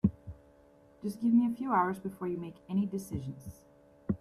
Just give me a few hours before you make any decisions.